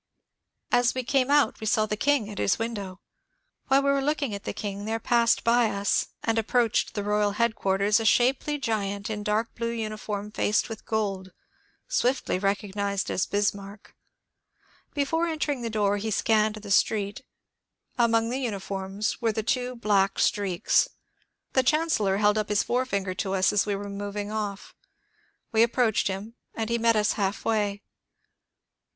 As we came out we saw the King at his window. While we were looking at the King there passed by us and approached BISMARCK'S WELCOME 227 the royal headquarters a shapely giant in dark blue uniform faced with gold, swiftly recognized as Bismarck. Before en tering the door he scanned the street. Among the uniforms we were the two black streaks. The chancellor held up his forefinger to us as we were moving off. We approached him, and he met us half way.